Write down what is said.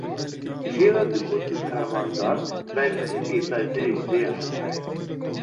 Jê re digotin fermandar, berxikê ber dilê dêya xwe.